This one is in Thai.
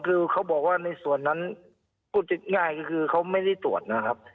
คือเขาบอกว่าในส่วนนั้นพูดง่ายก็คือเขาไม่ได้ตรวจนะครับ